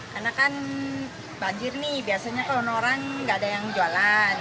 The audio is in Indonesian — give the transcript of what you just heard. karena kan banjir nih biasanya kalau orang orang tidak ada yang jualan